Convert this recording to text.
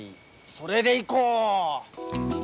それでいこう！